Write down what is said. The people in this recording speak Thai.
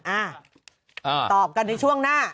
อ่ะตอบกันในช่วงหน้า